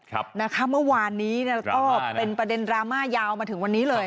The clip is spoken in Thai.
ระเบีย์เมื่อวานนี้เป็นประเด็นรามาต์ยาวมาถึงวันนี้เลย